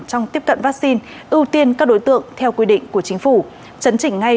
trong tiếp cận vaccine ưu tiên các đối tượng theo quy định của chính phủ chấn chỉnh ngay